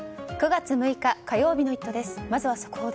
９月６日、火曜日の「イット！」です。